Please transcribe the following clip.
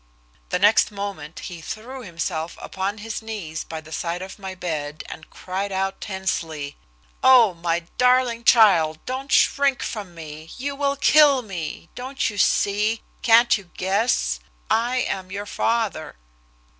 The next moment he threw himself upon his knees by the side of my bed, and cried out tensely: "Oh, my darling child, don't shrink from me. You will kill me. Don't you see? Can't you guess? I am your father!"